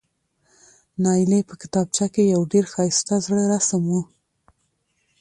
نایلې په کتابچه کې یو ډېر ښایسته زړه رسم و،